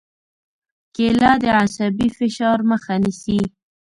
کېله د عصبي فشار مخه نیسي.